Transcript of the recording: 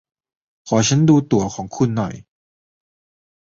ขอฉันดูตั๋วของคุณหน่อย